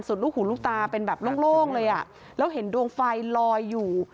ลูกหูลูกตาเป็นแบบโล่งเลยอ่ะแล้วเห็นดวงไฟลอยอยู่